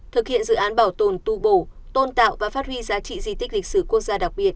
thực hiện dự án bảo tồn tu bổ tôn tạo và phát huy giá trị di tích lịch sử quốc gia đặc biệt